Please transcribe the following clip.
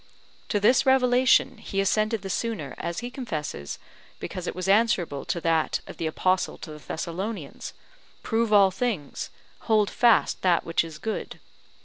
To this revelation he assented the sooner, as he confesses, because it was answerable to that of the Apostle to the Thessalonians, PROVE ALL THINGS, HOLD FAST THAT WHICH IS GOOD.